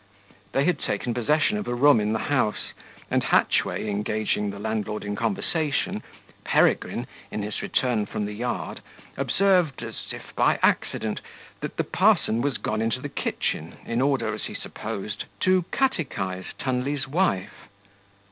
They had taken possession of a room in the house and Hatchway engaging the landlord in conversation, Peregrine, in his return from the yard, observed, as if by accident, that the parson was gone into the kitchen, in order, as he supposed, to catechise Tunley's wife.